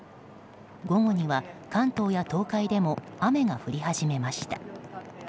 午後には関東や東海でも雨が降り始めました。